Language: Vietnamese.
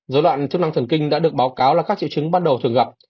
dối loạn chức năng thần kinh đã được báo cáo là các triệu chứng ban đầu thường gặp